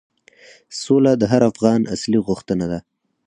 سوله د هر افغان اصلي غوښتنه ده.